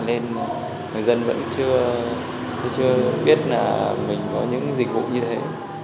nên người dân vẫn chưa biết là mình có những dịch vụ như thế